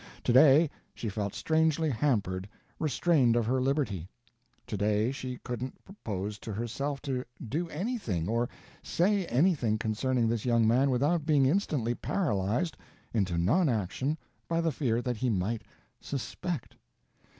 To day she felt strangely hampered, restrained of her liberty. To day she couldn't propose to herself to do anything or say anything concerning this young man without being instantly paralyzed into non action by the fear that he might "suspect."